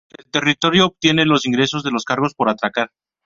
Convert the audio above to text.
El territorio obtiene los ingresos de los cargos por atracar.